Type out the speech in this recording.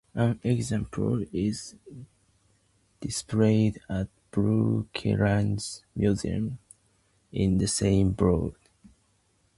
An example is displayed at Brooklands Museum in the same borough.